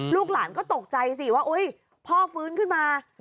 ลูกหลานก็ตกใจสิว่าพ่อฟื้นขึ้นมา